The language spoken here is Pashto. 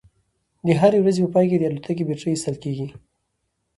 د هرې ورځې په پای کې د الوتکې بیټرۍ ایستل کیږي